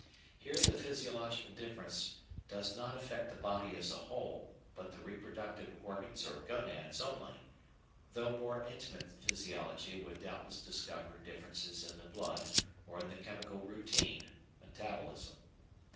Here the physiological difference does not affect the body as a whole, but the reproductive organs or gonads only, though more intimate physiology would doubtless discover differences in the blood or in the chemical routine (metabolism).